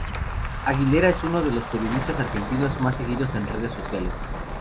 Aguilera es uno de los periodistas argentinos más seguidos en redes sociales.